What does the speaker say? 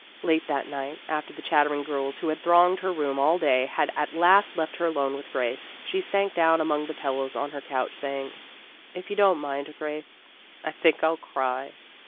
Late that night, after the chattering girls who had thronged her room all day had at last left her alone with Grace, she sank down among the pillows on her couch, saying, "If you don't mind, Grace, I think I '11 cry."